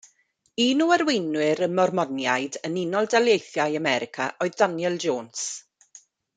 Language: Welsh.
Un o arweinwyr y Mormoniaid yn Unol Daleithiau America oedd Daniel Jones.